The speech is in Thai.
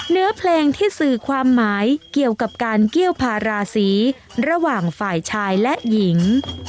เนื้อเพลงที่สื่อความหมายเกี่ยวกับการเกี้ยวพาราศีระหว่างฝ่ายชายและหญิง